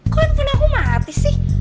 kok handphone aku mati sih